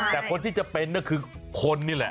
แต่คนที่จะเป็นก็คือคนนี่แหละ